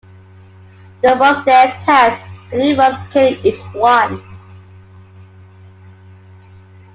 The Rogues then attacked the New Rogues, killing each one.